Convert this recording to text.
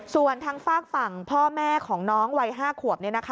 ส่วนทางฝากฝั่งพ่อแม่ของน้องวัย๕ขวบ